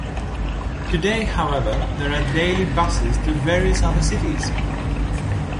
Today, however, there are daily buses to various other cities.